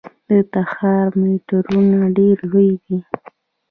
د تهران میټرو ډیره لویه ده.